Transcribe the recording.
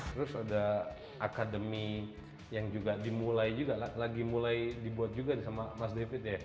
terus ada akademi yang juga dimulai juga lagi mulai dibuat juga sama mas david ya